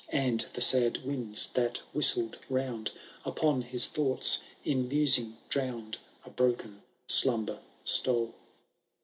And the sad winds that whistled round. Upon his thoughts, in musing drown'd« A broken slumber stole.